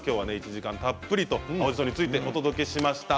１時間たっぷりと青じそについてお伝えしました。